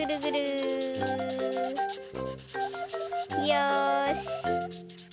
よし。